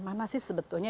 mana sih sebetulnya